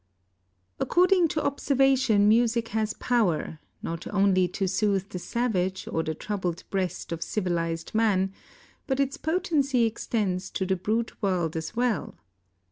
According to observation, music has power, not only to soothe the savage or the troubled breast of civilized man, but its potency extends to the brute world as well.